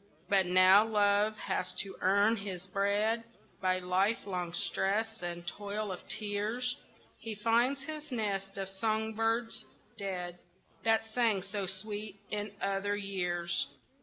But now Love has to earn his bread By lifelong stress and toil of tears, He finds his nest of song birds dead That sang so sweet in other years.